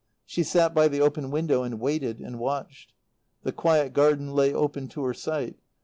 She sat by the open window and waited and watched. The quiet garden lay open to her sight.